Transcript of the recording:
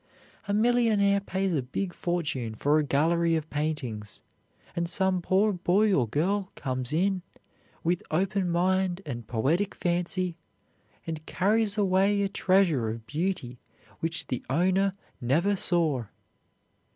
A millionaire pays a big fortune for a gallery of paintings, and some poor boy or girl comes in, with open mind and poetic fancy, and carries away a treasure of beauty which the owner never saw.